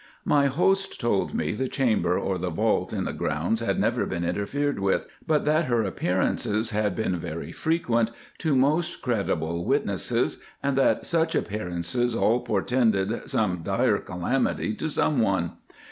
My host told me the chamber or the vault in the grounds had never been interfered with, but that her appearances had been very frequent to most credible witnesses, and that such appearances all portended some dire calamity to some one.